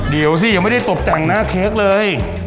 เดี๋ยวสิยังไม่ได้ตบแต่งหน้าเค้กเลย